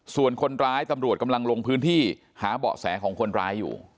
ส่วนคนร้ายตำรวจกำลังลงพื้นที่หาเบาะแสของคนร้ายอยู่